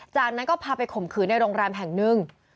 จากนั้นก็พาไปข่มขืนในโรงแรมแห่งหนึ่ง